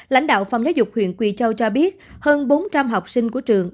lãnh đạo phòng giáo dục huyện quỳ châu cho biết hơn bốn trăm linh học sinh của trường